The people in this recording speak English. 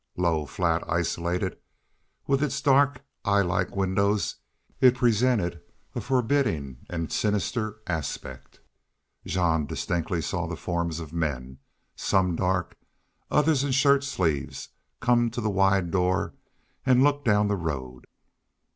Low, flat, isolated, with its dark, eye like windows, it presented a forbidding and sinister aspect. Jean distinctly saw the forms of men, some dark, others in shirt sleeves, come to the wide door and look down the road.